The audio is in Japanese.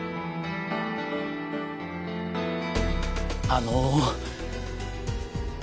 あの。